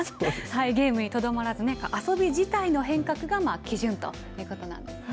ゲームにとどまらず遊び自体の変革が基準ということなんですね。